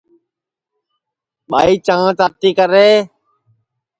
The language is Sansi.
ٻائی چاں تاتی کرئے